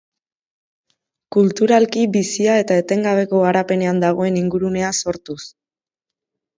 Kulturalki bizia eta etengabeko garapenean dagoen ingurunea sortuz.